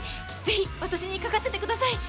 ぜひ私に書かせてください！